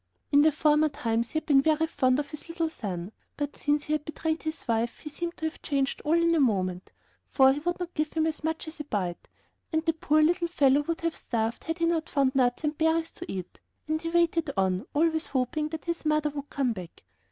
In former times he had been very fond of his little son; but since he had betrayed his wife he seemed to have changed all in a moment, for he would not give him as much as a bite, and the poor little fellow would have starved had he not found some nuts and berries to eat, and he waited on, always hoping that his mother would come back.